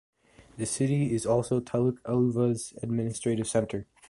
The city is also Taluk Aluva's administrative center.